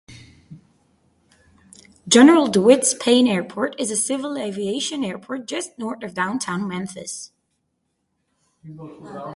General DeWitt Spain Airport is a civil aviation airport just north of downtown Memphis.